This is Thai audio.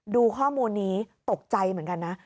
ดูข้อมูลนี้ตกใจเหมือนกันนะ